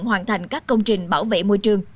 hoàn thành các công trình bảo vệ môi trường